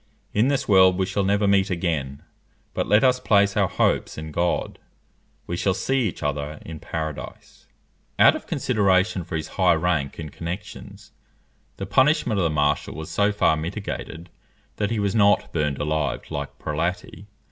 In this world we shall never meet again; but let us place our hopes in God; we shall see each other in Paradise_." Out of consideration for his high rank and connexions, the punishment of the marshal was so far mitigated, that he was not burned alive like Prelati.